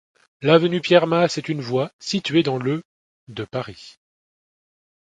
L'avenue Pierre-Masse est une voie située dans le de Paris.